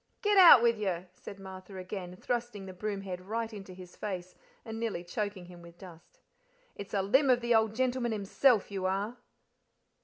"Get out with you!" said Martha again, thrusting the broom head right into his face, and nearly choking him with dust. "It's a limb of the old gentleman himself you are."